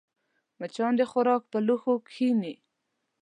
مچان د خوراک پر لوښو کښېني